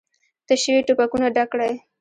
تش شوي ټوپکونه ډک کړئ!